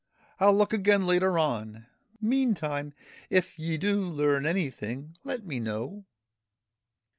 I '11 look again later on ; meantime if ye do learn anything, let me know.'